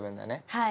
はい。